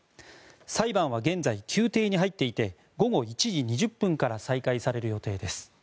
裁判は現在、休廷に入っていて午後１時２０分から再開される予定です。